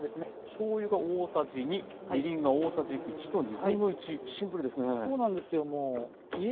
しょうゆが大さじ２みりんが大さじ１と1/2シンプルですね。